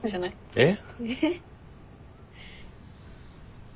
えっ？